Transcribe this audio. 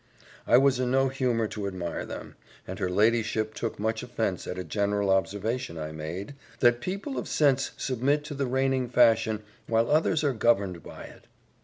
I was in no humour to admire them, and her ladyship took much offence at a general observation I made, "that people of sense submit to the reigning fashion, while others are governed by it."